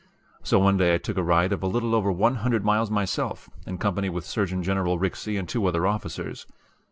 So one day I took a ride of a little over one hundred miles myself, in company with Surgeon General Rixey and two other officers.